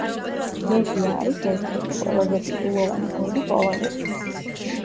ლეგია არის ერთ-ერთი ყველაზე ტიტულოვანი გუნდი პოლონეთში.